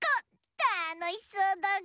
たのしそうだぐ！